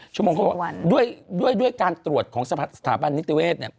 ชั่วโมงเขาโดยด้วยการตรวจของสถาบันนิตเวศนะ